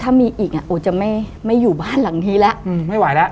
ถ้ามีอีกอ่ะโอ้จะไม่อยู่บ้านหลังนี้แล้วไม่ไหวแล้ว